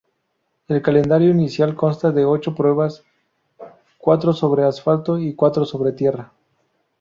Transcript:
El calendario inicial consta de ocho pruebas, cuatro sobre asfalto y cuatro sobre tierra.